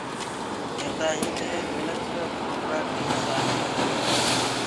ڪيندآ هينٚ ڪي انسآن بُڙبُرآ ڪي مسآل هي۔